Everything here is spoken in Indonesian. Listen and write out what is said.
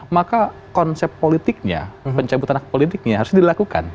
maka konsep politiknya pencabutan hak politiknya harus dilakukan